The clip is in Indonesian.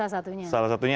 saya salah satunya